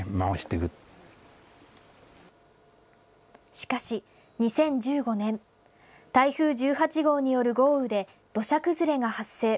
しかし２０１５年、台風１８号による豪雨で、土砂崩れが発生。